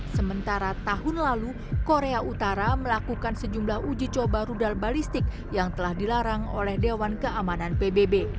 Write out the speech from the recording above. sementara tahun lalu korea utara melakukan sejumlah uji coba rudal balistik yang telah dilarang oleh dewan keamanan pbb